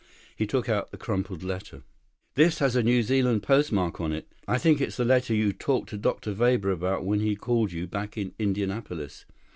He took out the crumpled letter. "This has a New Zealand postmark on it. I think it's that letter you talked to Dr. Weber about when he called you back in Indianapolis.